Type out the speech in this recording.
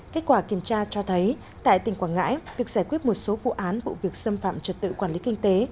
kết quả kiểm tra cho thấy tại tỉnh quảng ngãi việc giải quyết một số vụ án vụ việc xâm phạm trật tự quản lý kinh tế